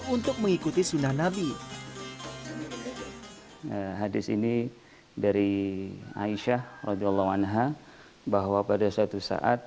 untuk mengikuti sunnah nabi hadis ini dari aisyah lawanha bahwa pada suatu saat